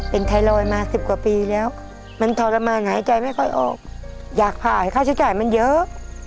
เป็นไทรอยด์มาสิบกว่าปีแล้วมันทรมานหายใจไม่ค่อยออกอยากผ่าค่าใช้จ่ายมันเยอะ